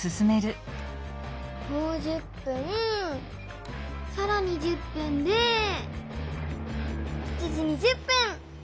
もう１０分さらに１０分で７時２０分！